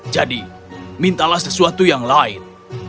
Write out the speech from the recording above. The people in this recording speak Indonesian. jadi mintalah sesuatu yang lain